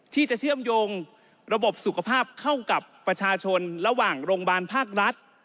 เชื่อมโยงระบบสุขภาพเข้ากับประชาชนระหว่างโรงพยาบาลภาครัฐ